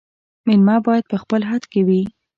مېلمه باید په خپل حد کي وي